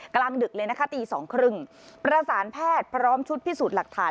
กำลังดึกเลยนะคะตี๒๓๐ประสานแพทย์พร้อมชุดพิสูจน์หลักฐาน